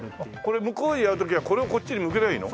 これ向こうへやる時はこれをこっちに向ければいいの？